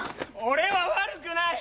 俺は悪くない！